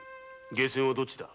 下賤はどっちだ。